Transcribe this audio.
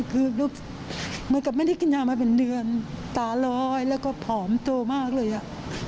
คือดูเหมือนกับไม่ได้กินยามาเป็นเดือนตาลอยแล้วก็ผอมตัวมากเลยอ่ะ